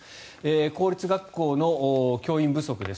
公立学校の教員不足です。